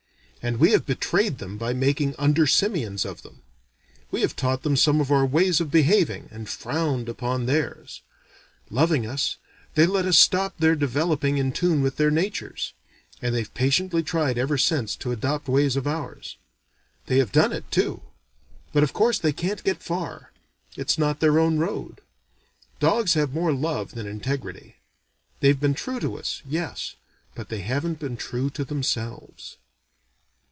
And we have betrayed them by making under simians of them. We have taught them some of our own ways of behaving, and frowned upon theirs. Loving us, they let us stop their developing in tune with their natures; and they've patiently tried ever since to adopt ways of ours. They have done it, too; but of course they can't get far: it's not their own road. Dogs have more love than integrity. They've been true to us, yes, but they haven't been true to themselves.